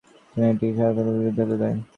এটি একটি সাধারণ প্রাথমিক বিদ্যালয়।